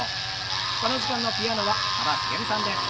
この時間のピアノは幅しげみさんです。